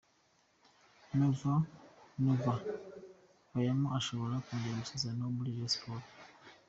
Nova bayama ashobora kongera amasezerano muri Rayon Sports.